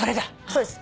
そうです。